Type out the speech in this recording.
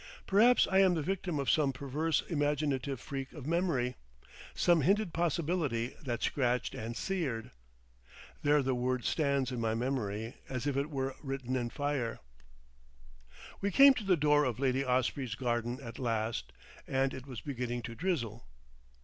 Perhaps I am the victim of some perverse imaginative freak of memory, some hinted possibility that scratched and seared. There the word stands in my memory, as if it were written in fire. We came to the door of Lady Osprey's garden at last, and it was beginning to drizzle.